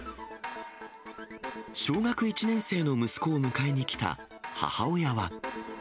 小学１年生の息子を迎えに来た母親は。